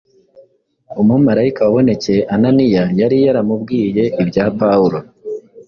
Umumarayika wabonekeye Ananiya yari yaramubwiye ibya Pawulo